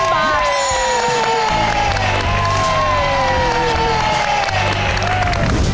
เกมต่อชีวิต